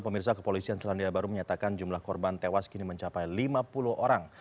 pemirsa kepolisian selandia baru menyatakan jumlah korban tewas kini mencapai lima puluh orang